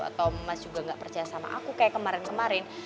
atau mas juga nggak percaya sama aku kayak kemarin kemarin